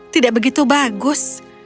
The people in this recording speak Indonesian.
tidak begitu bagus